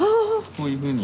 こういうふうに。